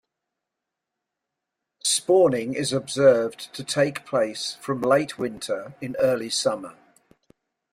Spawning is observed to take place from late winter in early summer.